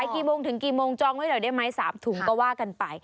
กี่โมงถึงกี่โมงจองไว้หน่อยได้ไหม๓ถุงก็ว่ากันไป